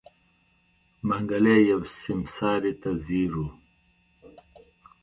منګلی يوې سيمسارې ته ځير و.